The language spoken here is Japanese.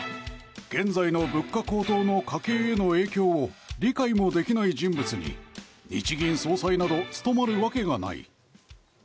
現在の物価高騰の家計への影響を理解もできない人物に日銀総裁など務まるわけがない。